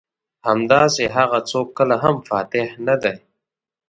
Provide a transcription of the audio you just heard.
همداسې هغه څوک کله هم فاتح نه دي.